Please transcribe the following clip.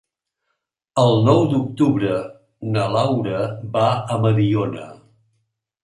El nou d'octubre na Laura va a Mediona.